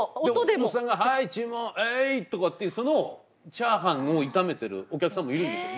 おっさんがはい注文はいとかっていうそのチャーハンを炒めてるお客さんもいるんですよ